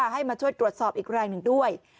ให้มาช่วยตรวจสอบอีกแรงหนึ่งด้วย